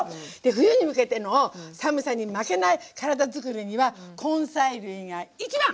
冬に向けての寒さに負けない体づくりには根菜類が一番！